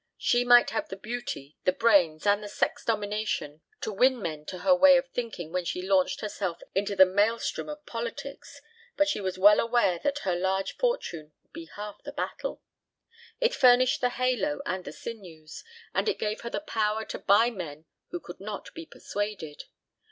She might have the beauty, the brains, and the sex domination to win men to her way of thinking when she launched herself into the maelstrom of politics, but she was well aware that her large fortune would be half the battle. It furnished the halo and the sinews, and it gave her the power to buy men who could not be persuaded.